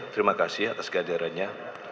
terima kasih atas keadaannya